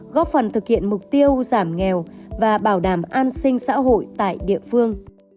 góp phần thực hiện mục tiêu giảm nghèo và bảo đảm an sinh xã hội tại địa phương